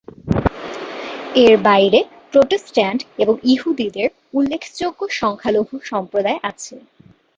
এর বাইরে প্রোটেস্ট্যান্ট এবং ইহুদীদের উল্লেখযোগ্য সংখ্যালঘু সম্প্রদায় আছে।